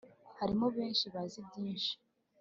harimo benshi bazi byinshi